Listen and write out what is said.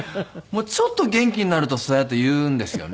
ちょっと元気になるとそうやって言うんですよね。